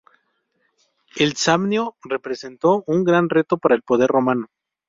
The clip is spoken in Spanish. El Samnio representó un gran reto para el poder romano.